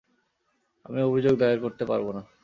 আমি অভিযোগ দায়ের করতে পারব না।